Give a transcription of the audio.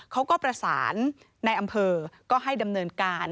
เขาก็ประสานในอำเภอก็ให้ดำเนินการ